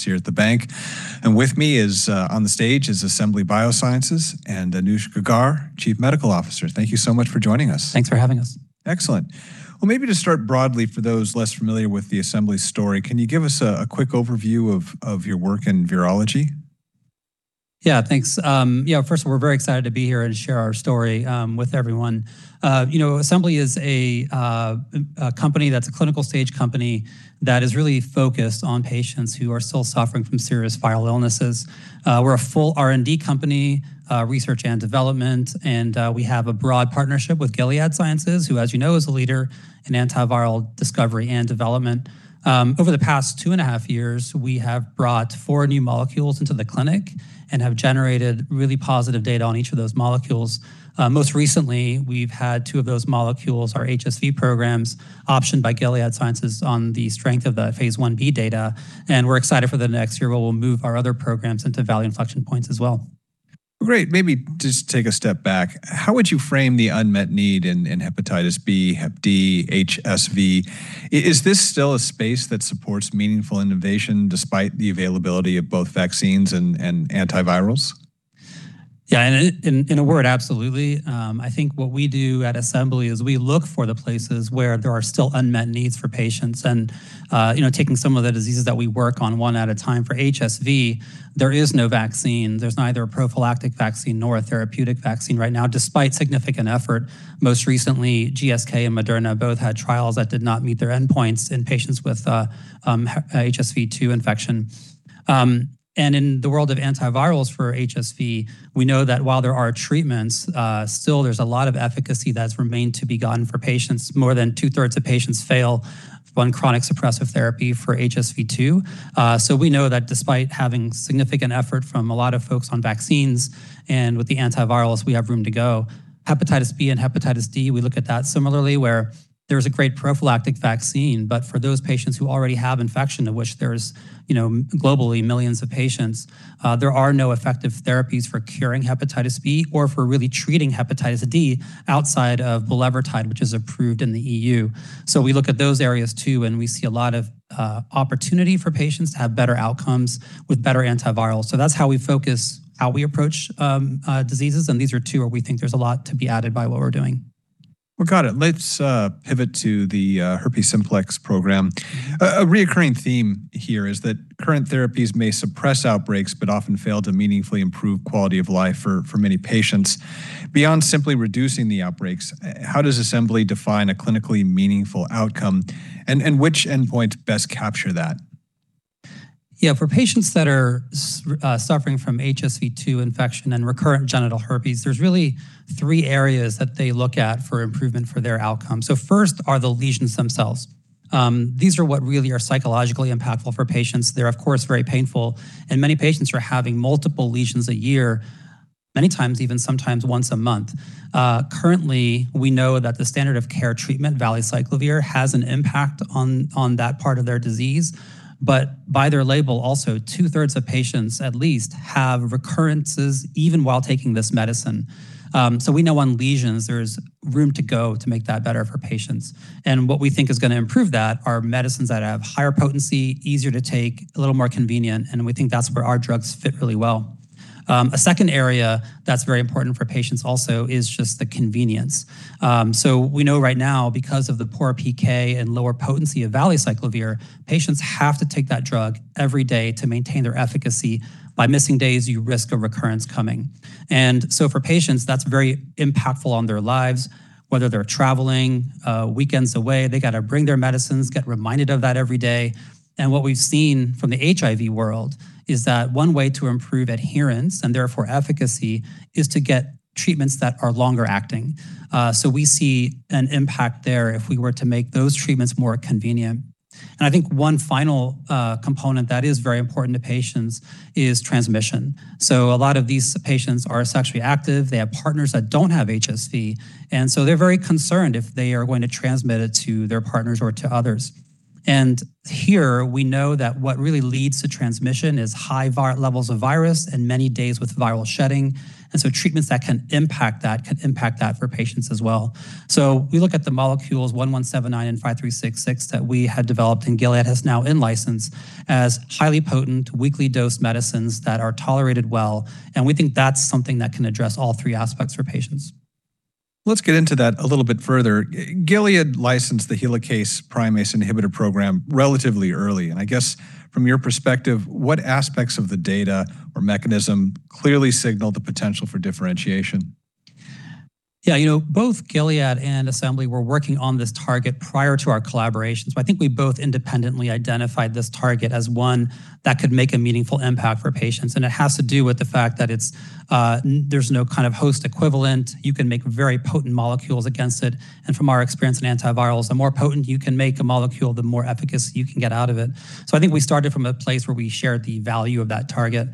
Here at the Bank. With me is on the stage is Assembly Biosciences and Anuj Gaggar, Chief Medical Officer. Thank you so much for joining us. Thanks for having us. Excellent. Well, maybe just start broadly for those less familiar with the Assembly story. Can you give us a quick overview of your work in virology? Yeah, thanks. First of all, we're very excited to be here and share our story with everyone. You know, Assembly is a company that's a clinical stage company that is really focused on patients who are still suffering from serious viral illnesses. We're a full R&D company, research and development, and we have a broad partnership with Gilead Sciences, who, as you know, is a leader in antiviral discovery and development. Over the past 2.5 years, we have brought four new molecules into the clinic and have generated really positive data on each of those molecules. Most recently, we've had two of those molecules, our HSV programs, optioned by Gilead Sciences on the strength of the phase I-B data. We're excited for the next year where we'll move our other programs into value inflection points as well. Great. Maybe just take a step back. How would you frame the unmet need in hepatitis B, hep D, HSV? Is this still a space that supports meaningful innovation despite the availability of both vaccines and antivirals? In a word, absolutely. I think what we do at Assembly is we look for the places where there are still unmet needs for patients and, you know, taking some of the diseases that we work on one at a time. For HSV, there is no vaccine. There's neither a prophylactic vaccine nor a therapeutic vaccine right now, despite significant effort. Most recently, GSK and Moderna both had trials that did not meet their endpoints in patients with HSV-2 infection. In the world of antivirals for HSV, we know that while there are treatments, still there's a lot of efficacy that's remained to be gotten for patients. More than two-thirds of patients fail on chronic suppressive therapy for HSV-2. We know that despite having significant effort from a lot of folks on vaccines and with the antivirals, we have room to go. hepatitis B and hepatitis D, we look at that similarly, where there's a great prophylactic vaccine, but for those patients who already have infection, of which there's, you know, globally millions of patients, there are no effective therapies for curing hepatitis B or for really treating hepatitis D outside of bulevirtide, which is approved in the EU. We look at those areas too, and we see a lot of opportunity for patients to have better outcomes with better antivirals. That's how we focus, how we approach diseases, and these are two where we think there's a lot to be added by what we're doing. Well, got it. Let's pivot to the herpes simplex program. A reoccurring theme here is that current therapies may suppress outbreaks, but often fail to meaningfully improve quality of life for many patients. Beyond simply reducing the outbreaks, how does Assembly define a clinically meaningful outcome, and which endpoints best capture that? For patients that are suffering from HSV-2 infection and recurrent genital herpes, there's really three areas that they look at for improvement for their outcome. First are the lesions themselves. These are what really are psychologically impactful for patients. They're, of course, very painful, and many patients are having multiple lesions a year, many times even sometimes once a month. Currently, we know that the standard of care treatment, valacyclovir, has an impact on that part of their disease, but by their label also, two-thirds of patients at least have recurrences even while taking this medicine. We know on lesions there's room to go to make that better for patients. What we think is gonna improve that are medicines that have higher potency, easier to take, a little more convenient, and we think that's where our drugs fit really well. A second area that's very important for patients also is just the convenience. We know right now because of the poor PK and lower potency of valacyclovir, patients have to take that drug every day to maintain their efficacy. By missing days, you risk a recurrence coming. For patients, that's very impactful on their lives, whether they're traveling, weekends away, they gotta bring their medicines, get reminded of that every day. What we've seen from the HIV world is that one way to improve adherence, and therefore efficacy, is to get treatments that are longer acting. We see an impact there if we were to make those treatments more convenient. I think one final component that is very important to patients is transmission. A lot of these patients are sexually active. They have partners that don't have HSV, they're very concerned if they are going to transmit it to their partners or to others. Here we know that what really leads to transmission is high levels of virus and many days with viral shedding, treatments that can impact that can impact that for patients as well. We look at the molecules 1179 and 5366 that we had developed and Gilead has now in-licensed as highly potent weekly dose medicines that are tolerated well, we think that's something that can address all three aspects for patients. Let's get into that a little bit further. Gilead licensed the helicase-primase inhibitor program relatively early, and I guess from your perspective, what aspects of the data or mechanism clearly signaled the potential for differentiation? You know, both Gilead and Assembly were working on this target prior to our collaboration, I think we both independently identified this target as one that could make a meaningful impact for patients, and it has to do with the fact that it's there's no kind of host equivalent. You can make very potent molecules against it. From our experience in antivirals, the more potent you can make a molecule, the more efficacy you can get out of it. I think we started from a place where we shared the value of that target.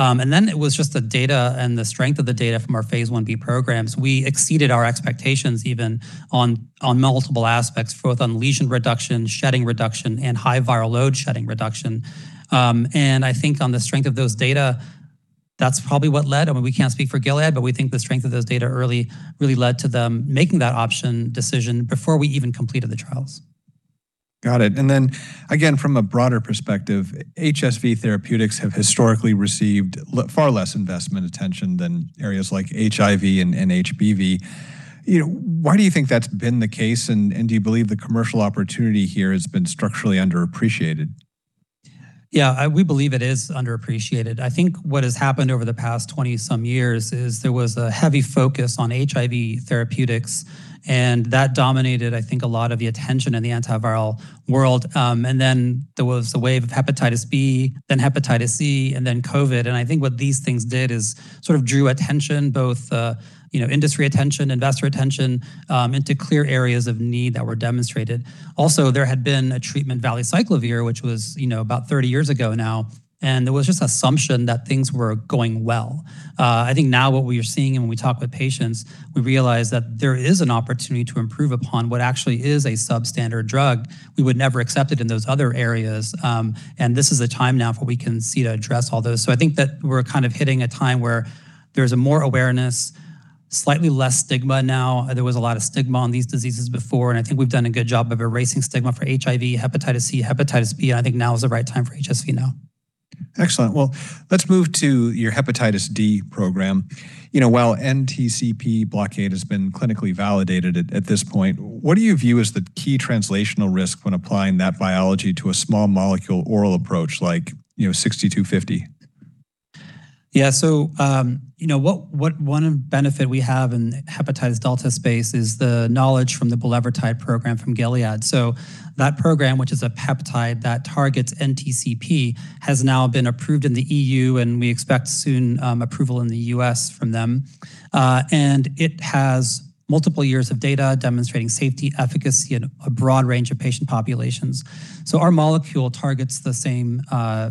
Then it was just the data and the strength of the data from our Phase I-B programs. We exceeded our expectations even on multiple aspects, both on lesion reduction, shedding reduction, and high viral load shedding reduction. I think on the strength of those data. That's probably what led, I mean, we can't speak for Gilead, but we think the strength of those data early really led to them making that option decision before we even completed the trials. Got it. Again, from a broader perspective, HSV therapeutics have historically received far less investment attention than areas like HIV and HBV. You know, why do you think that's been the case, and do you believe the commercial opportunity here has been structurally underappreciated? Yeah, we believe it is underappreciated. I think what has happened over the past 20 some years is there was a heavy focus on HIV therapeutics, and that dominated, I think, a lot of the attention in the antiviral world. Then there was the wave of hepatitis B, then hepatitis C, then COVID. I think what these things did is sort of drew attention, both, you know, industry attention, investor attention, into clear areas of need that were demonstrated. Also, there had been a treatment valacyclovir, which was, you know, about 30 years ago now, and there was just assumption that things were going well. I think now what we are seeing and when we talk with patients, we realize that there is an opportunity to improve upon what actually is a substandard drug. We would never accept it in those other areas. This is a time now where we can see to address all those. I think that we're kind of hitting a time where there's a more awareness, slightly less stigma now. There was a lot of stigma on these diseases before. I think we've done a good job of erasing stigma for HIV, hepatitis C, hepatitis B. I think now is the right time for HSV now. Excellent. Well, let's move to your hepatitis D program. You know, while NTCP blockade has been clinically validated at this point, what do you view as the key translational risk when applying that biology to a small molecule oral approach like, you know, 6250? Yeah. You know, what one benefit we have in hepatitis delta space is the knowledge from the bulevirtide program from Gilead Sciences. That program, which is a peptide that targets NTCP, has now been approved in the EU, and we expect soon, approval in the U.S. from them. It has multiple years of data demonstrating safety, efficacy in a broad range of patient populations. Our molecule targets the same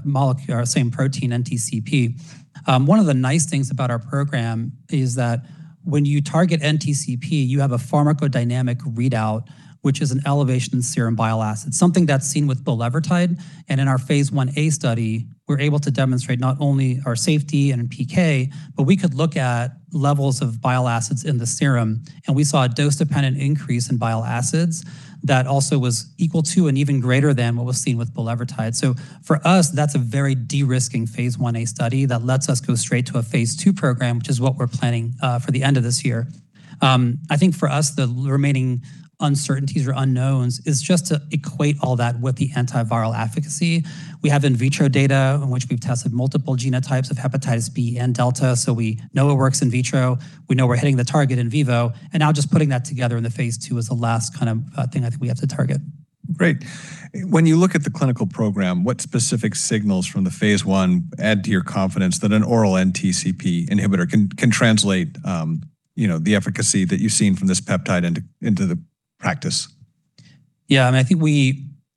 molecule or same protein, NTCP. One of the nice things about our program is that when you target NTCP, you have a pharmacodynamic readout, which is an elevation in serum bile acid, something that's seen with bulevirtide. In our phase I-A study, we're able to demonstrate not only our safety and PK, but we could look at levels of bile acids in the serum, and we saw a dose-dependent increase in bile acids that also was equal to and even greater than what was seen with bulevirtide. For us, that's a very de-risking phase I-A study that lets us go straight to a phase II program, which is what we're planning for the end of this year. I think for us, the remaining uncertainties or unknowns is just to equate all that with the antiviral efficacy. We have in vitro data in which we've tested multiple genotypes of hepatitis B and hepatitis delta, so we know it works in vitro. We know we're hitting the target in vivo, now just putting that together in the phase II is the last kind of, thing I think we have to target. Great. When you look at the clinical program, what specific signals from the phase I add to your confidence that an oral NTCP inhibitor can translate, you know, the efficacy that you've seen from this peptide into the practice? I think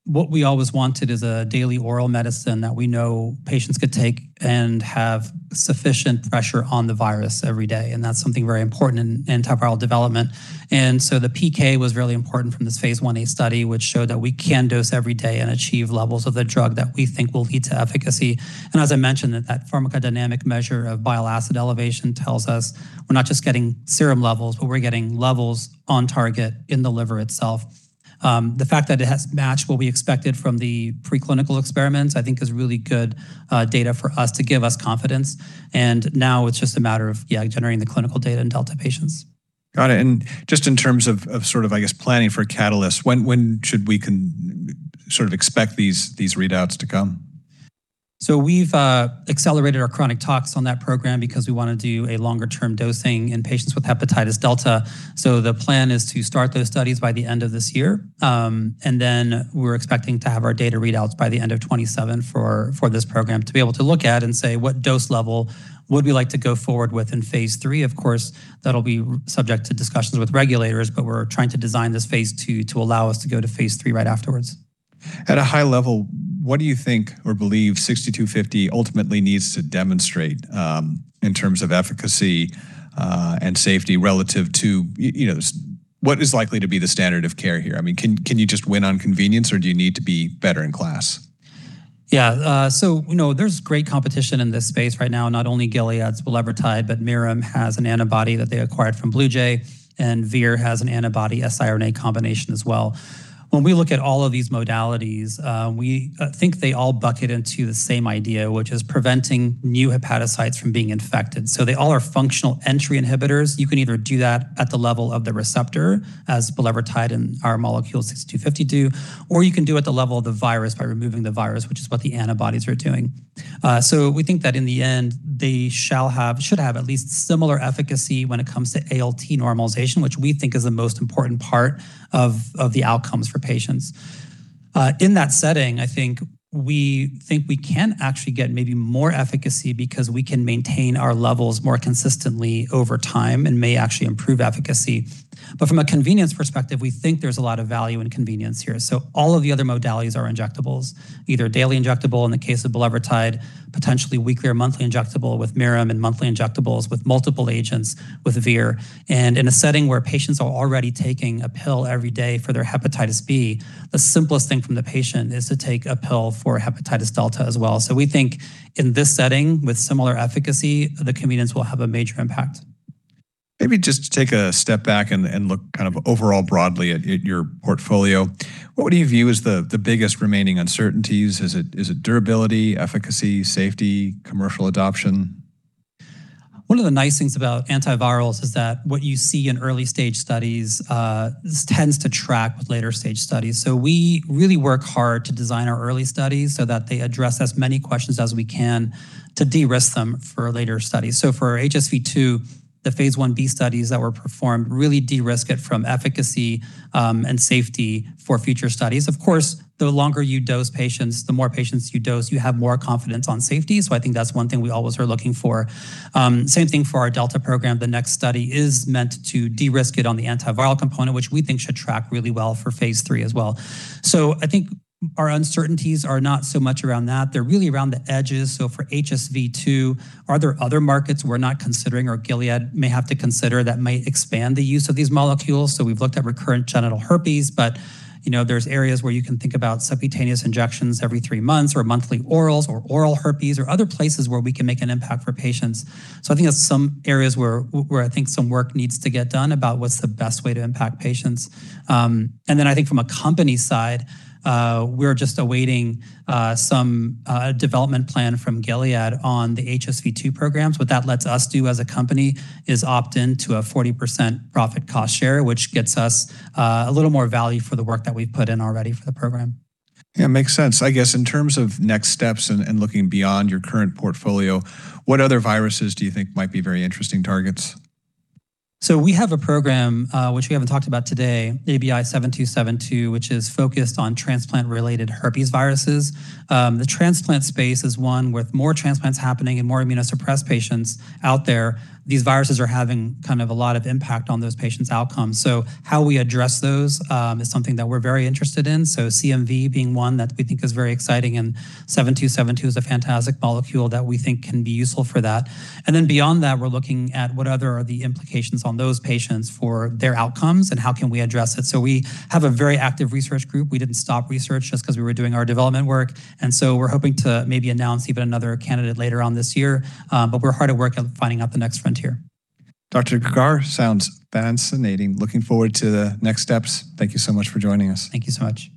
what we always wanted is a daily oral medicine that we know patients could take and have sufficient pressure on the virus every day, that's something very important in antiviral development. The PK was really important from this phase I-A study, which showed that we can dose every day and achieve levels of the drug that we think will lead to efficacy. As I mentioned, that pharmacodynamic measure of bile acid elevation tells us we're not just getting serum levels, but we're getting levels on target in the liver itself. The fact that it has matched what we expected from the preclinical experiments, I think is really good data for us to give us confidence. Now it's just a matter of, yeah, generating the clinical data in delta patients. Got it. Just in terms of sort of, I guess, planning for a catalyst, when should we sort of expect these readouts to come? We've accelerated our chronic tox on that program because we want to do a longer-term dosing in patients with hepatitis delta. The plan is to start those studies by the end of this year. We're expecting to have our data readouts by the end of 2027 for this program to be able to look at and say what dose level would we like to go forward with in phase III. Of course, that'll be subject to discussions with regulators, but we're trying to design this phase II to allow us to go to phase III right afterwards. At a high level, what do you think or believe 6250 ultimately needs to demonstrate, in terms of efficacy, and safety relative to, you know, What is likely to be the standard of care here? I mean, can you just win on convenience, or do you need to be better in class? Yeah. You know, there's great competition in this space right now, not only Gilead's bulevirtide, but Mirum has an antibody that they acquired from Bluejay, and Vir has an antibody, a siRNA combination as well. When we look at all of these modalities, we think they all bucket into the same idea, which is preventing new hepatocytes from being infected. They all are functional entry inhibitors. You can either do that at the level of the receptor, as bulevirtide and our molecule 6250 do, or you can do at the level of the virus by removing the virus, which is what the antibodies are doing. We think that in the end, they should have at least similar efficacy when it comes to ALT normalization, which we think is the most important part of the outcomes for patients. In that setting, I think we think we can actually get maybe more efficacy because we can maintain our levels more consistently over time and may actually improve efficacy. From a convenience perspective, we think there's a lot of value in convenience here. All of the other modalities are injectables, either daily injectable in the case of bulevirtide, potentially weekly or monthly injectable with Mirum, and monthly injectables with multiple agents with Vir. In a setting where patients are already taking a pill every day for their hepatitis B, the simplest thing from the patient is to take a pill for hepatitis delta as well. We think in this setting, with similar efficacy, the convenience will have a major impact. Maybe just take a step back and look kind of overall broadly at your portfolio. What do you view as the biggest remaining uncertainties? Is it durability, efficacy, safety, commercial adoption? One of the nice things about antivirals is that what you see in early-stage studies tends to track with later-stage studies. We really work hard to design our early-stage studies so that they address as many questions as we can to de-risk them for later-stage studies. For HSV-2, the phase I-B studies that were performed really de-risk it from efficacy and safety for future studies. Of course, the longer you dose patients, the more patients you dose, you have more confidence on safety. I think that's one thing we always are looking for. Same thing for our Delta program. The next study is meant to de-risk it on the antiviral component, which we think should track really well for phase III as well. I think our uncertainties are not so much around that. They're really around the edges. For HSV-2, are there other markets we're not considering or Gilead may have to consider that might expand the use of these molecules? We've looked at recurrent genital herpes, but, you know, there's areas where you can think about subcutaneous injections every three months or monthly orals or oral herpes or other places where we can make an impact for patients. I think that's some areas where I think some work needs to get done about what's the best way to impact patients. I think from a company side, we're just awaiting some development plan from Gilead on the HSV-2 programs. What that lets us do as a company is opt in to a 40% profit cost share, which gets us a little more value for the work that we've put in already for the program. Yeah, makes sense. I guess in terms of next steps and looking beyond your current portfolio, what other viruses do you think might be very interesting targets? We have a program, which we haven't talked about today, ABI-7272, which is focused on transplant-related herpes viruses. The transplant space is one with more transplants happening and more immunosuppressed patients out there. These viruses are having kind of a lot of impact on those patients' outcomes. How we address those is something that we're very interested in. CMV being one that we think is very exciting, and 7272 is a fantastic molecule that we think can be useful for that. Beyond that, we're looking at what other are the implications on those patients for their outcomes and how can we address it. We have a very active research group. We didn't stop research just 'cause we were doing our development work. We're hoping to maybe announce even another candidate later on this year. We're hard at work at finding out the next frontier. Dr. Gaggar, sounds fascinating. Looking forward to the next steps. Thank you so much for joining us. Thank you so much.